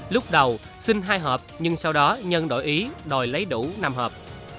lúc đầu xin hai hộp nhưng sau đó nhân đổi ý đòi lấy đủ năm hộp